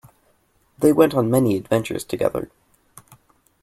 They went on many adventures together.